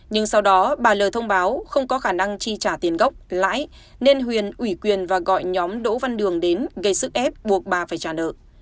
nhưng sau đó bà l thông báo không có khả năng chi trả tiền gốc lãi nên huyền ủy quyền và gọi nhóm đỗ văn đường đến gây sức ép buộc bà phải trả nợ